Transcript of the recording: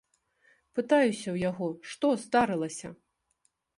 Пытаюся ў яго, што здарылася?